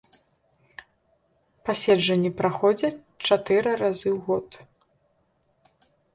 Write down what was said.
Паседжанні праходзяць чатыры разу ў год.